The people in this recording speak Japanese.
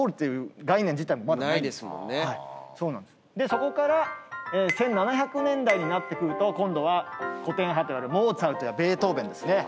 そこから１７００年代になってくると今度は古典派といわれるモーツァルトやベートーヴェンですね。